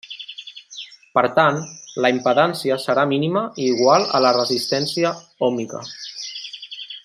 Per tant, la impedància serà mínima i igual a la resistència òhmica.